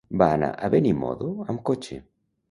Va anar a Benimodo amb cotxe.